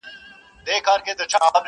o پلار یې وښوروی سر و یې خندله,